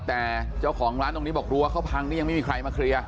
แต่เจ้าของร้านตรงนี้บอกรั้วเขาพังนี่ยังไม่มีใครมาเคลียร์